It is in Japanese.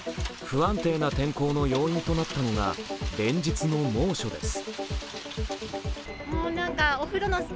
不安定な天候の要因となったのが連日の猛暑です。